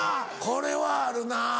これはあるな。